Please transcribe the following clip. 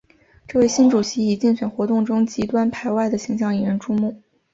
这位新主席以竞选活动中极端排外的形象引人注目。